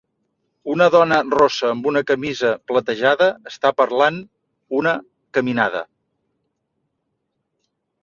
Una dona rossa amb una camisa platejada està parlant una caminada.